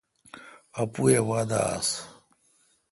اّپوُاے°وادہ آس۔